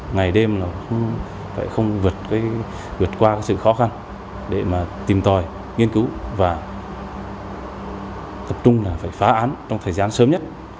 ngày đêm là không vượt qua cái sự khó khăn để mà tìm tòi nghiên cứu và tập trung là phải phá án trong thời gian sớm nhất